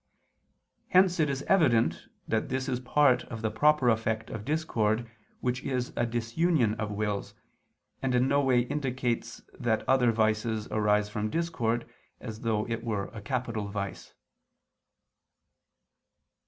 Hence it is evident that this is part of the proper effect of discord which is a disunion of wills, and in no way indicates that other vices arise from discord, as though it were a capital vice.